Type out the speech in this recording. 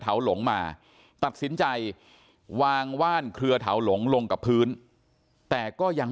หลงมาตัดสินใจวางว่านเครือเถาหลงลงกับพื้นแต่ก็ยัง